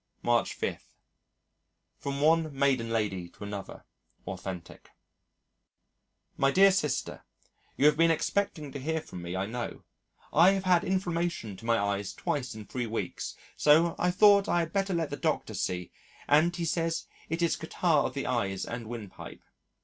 March 5. From One Maiden Lady to Another. (Authentic) "My dear Sister, You have been expecting to hear from me I know, I have had inflammation to my eyes twice in 3 weeks so I thought I had better let the Doctor see and he says it is catarrh of the eyes and windpipe.